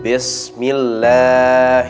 apa kabar pak